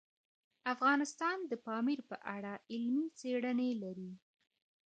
افغانستان د پامیر په اړه علمي څېړنې لري.